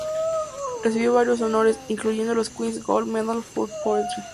Recibió varios honores, incluyendo la Queen's Gold Medal for Poetry.